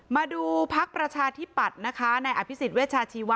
มาดูพักประชาธิปัตย์นะคะในอภิษฎเวชาชีวะ